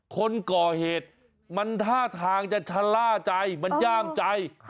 คนก่อเหตุมันท่าทางจะชะล่าใจมันย่ามใจ